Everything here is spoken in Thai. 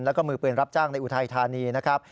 และมือเปือนรับจ้างในอุทธายธานีนะครับ